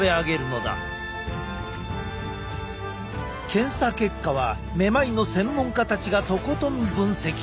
検査結果はめまいの専門家たちがとことん分析。